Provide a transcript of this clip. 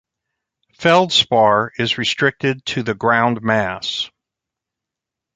Feldspar is restricted to the ground mass.